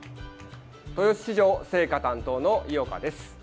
豊洲市場青果担当の井岡です。